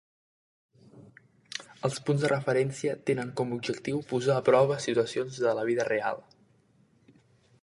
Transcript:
Els punts de referència tenen com a objectiu posar a prova situacions de la "vida real".